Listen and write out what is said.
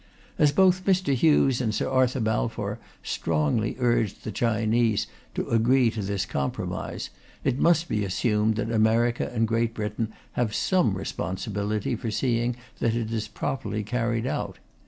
As both Mr. Hughes and Sir Arthur Balfour strongly urged the Chinese to agree to this compromise, it must be assumed that America and Great Britain have some responsibility for seeing that it is properly carried out.